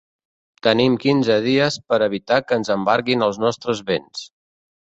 Tenim quinze dies per evitar que ens embarguin els nostres béns.